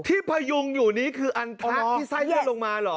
พยุงอยู่นี้คืออันทะที่ไส้เลื่อนลงมาเหรอ